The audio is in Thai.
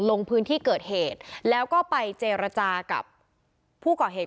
ลงพื้นที่เกิดเหตุแล้วก็ไปเจรจากับผู้ก่อเหตุ